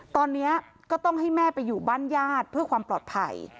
ตอนนี้ก็ต้องให้แม่ไปอยู่บ้านญาติเพื่อความปลอดภัย